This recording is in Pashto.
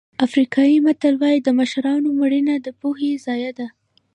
افریقایي متل وایي د مشرانو مړینه د پوهې ضایع ده.